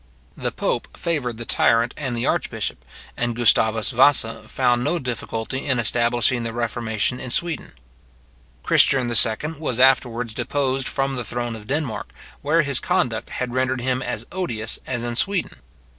The pope favoured the tyrant and the archbishop, and Gustavus Vasa found no difficulty in establishing the reformation in Sweden. Christiern II. was afterwards deposed from the throne of Denmark, where his conduct had rendered him as odious as in Sweden.